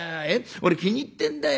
俺気に入ってんだよ。